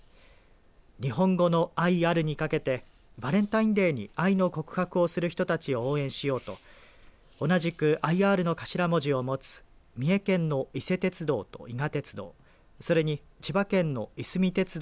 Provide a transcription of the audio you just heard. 日本語の愛あるにかけてバレンタインデーに愛の告白をする人たちを応援しようと同じくＩＲの頭文字を持つ三重県の伊勢鉄道と伊賀鉄道